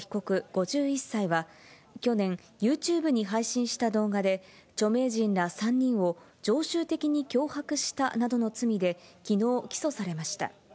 ５１歳は、去年、ユーチューブに配信した動画で、著名人ら３人を常習的に脅迫したなどの罪で、きのう起訴されました。